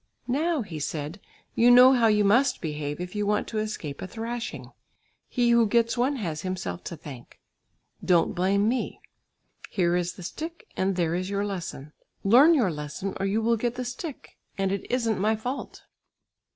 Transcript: "Now," he said, "you know how you must behave if you want to escape a thrashing. He who gets one, has himself to thank. Don't blame me. Here is the stick, and there is your lesson. Learn your lesson or you will get the stick, and it isn't my fault."